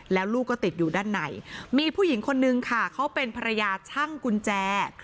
แล้วลูกก็ติดอยู่ด้านในมีผู้หญิงคนนึงค่ะเขาเป็นภรรยาช่างกุญแจ